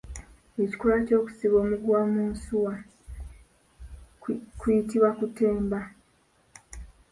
Ekikolwa ky’okusiba omuguwa mu nsuwa kuyitibwa kutemba.